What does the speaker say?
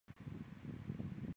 林廷圭之子。